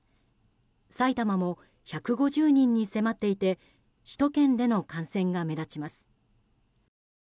埼玉も１５０人に迫っていて首都圏での感染が目立ちます。